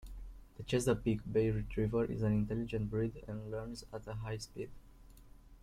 The Chesapeake Bay Retriever is an intelligent breed and learns at a high speed.